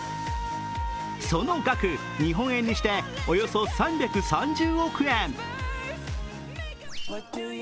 その額、日本円にしておよそ３３０億円。